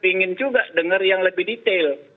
ingin juga dengar yang lebih detail